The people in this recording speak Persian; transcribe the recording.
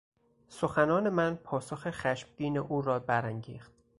سخنان من پاسخ خشمگین او را برانگیخت.